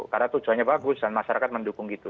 karena tujuannya bagus dan masyarakat mendukung gitu